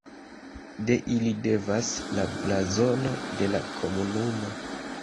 De ili devenas la blazono de la komunumo.